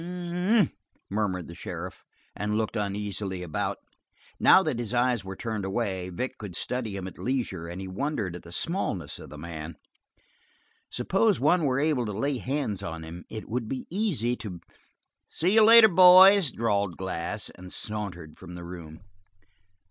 "H m m," murmured the sheriff, and looked uneasily about. Now that his eyes were turned away, Vic could study him at leisure, and he wondered at the smallness of the man. Suppose one were able to lay hands on him it would be easy to "See you later, boys," drawled Glass, and sauntered from the room.